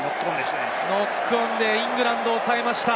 ノックオンでイングランドを押さえました。